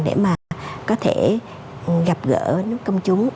để mà có thể gặp gỡ nếu công chúng